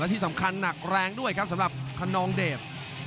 ที่สำคัญหนักแรงด้วยครับสำหรับคนนองเดช